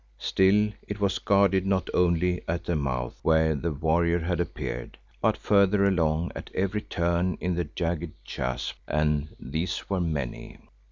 Still, it was guarded, not only at the mouth where the warrior had appeared, but further along at every turn in the jagged chasm, and these were many.